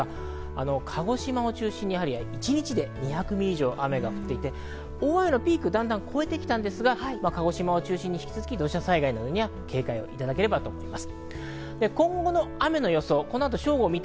鹿児島を中心に一日で２００ミリ以上、雨が降っていて、大雨のピークはだんだん超えてきたんですが、鹿児島を中心に引き続き土砂災害に警戒いただければと思います。